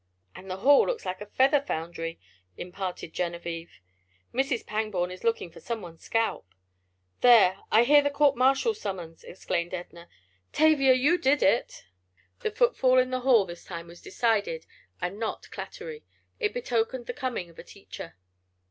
"And the hall looks like a feather foundry," imparted Genevieve. "Mrs. Pangborn is looking for someone's scalp." "There! I hear the court martial summons!" exclaimed Edna. "Tavia! You did it." The footfall in the hall this time was decided and not clattery. It betokened the coming of a teacher.